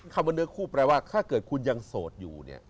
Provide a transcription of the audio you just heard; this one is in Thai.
คำว่าเนื้อคู่แปลว่าถ้าเกิดคุณยังโสดอยู่เนี่ย